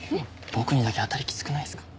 僕にだけ当たりきつくないですか？